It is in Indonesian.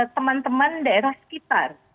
teman teman daerah sekitar